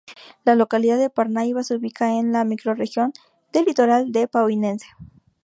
La localidad de Parnaíba se ubica en la microrregión del Litoral de Piauiense.